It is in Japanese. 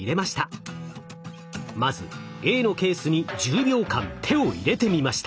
まずＡのケースに１０秒間手を入れてみました。